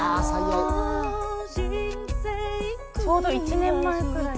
ちょうど１年前くらい。